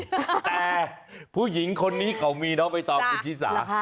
แต่ผู้หญิงคนนี้เขามีเนาะไปต่อวิทยาศาสตร์